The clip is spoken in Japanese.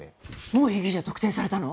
もう被疑者特定されたの？